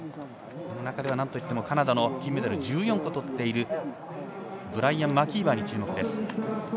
この中ではなんといってもカナダの金メダルを１４個とっているブライアン・マキーバーに注目です。